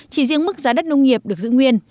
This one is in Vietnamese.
chỉ riêng mức giá đất nông nghiệp được giữ nguyên